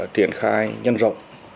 triển khai nhân rộng